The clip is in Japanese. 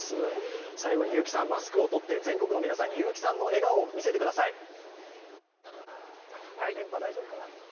最後に結城さん、マスクをとって全国の皆さんに結城さんの笑顔を見せてください。